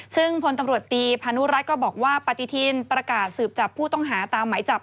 ซึ่งพลตำรวจตีพานุรัติก็บอกว่าปฏิทินประกาศสืบจับผู้ต้องหาตามหมายจับ